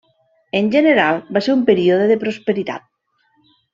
En general va ser un període de prosperitat.